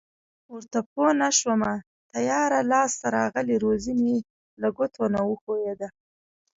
ورته پوه نشوم تیاره لاس ته راغلې روزي مې له ګوتو نه و ښویېده.